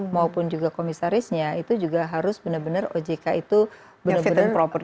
maupun juga komisarisnya itu juga harus benar benar ojk itu benar benar properti